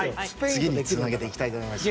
次につなげていきたいと思います。